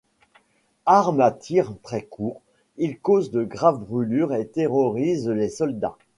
Arme à tir très court, il cause de graves brûlures et terrorise les soldats.